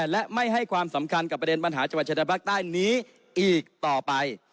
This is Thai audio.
และไม่ให้ความสำคัญกับประเด็นปัญหาจังหวัดชายแดนภาคใต้นี้อีกต่อไป